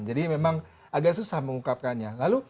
memang agak susah mengungkapkannya